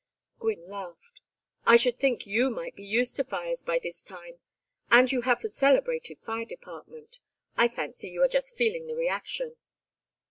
Gwynne laughed. "I should think you might be used to fires by this time. And you have a celebrated fire department. I fancy you are just feeling the reaction."